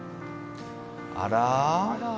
あら？